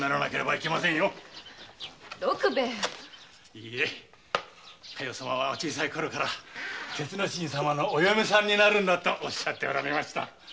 いいえ加代様は小さいころから鉄之進様のお嫁さんになるんだとおっしゃっておられました。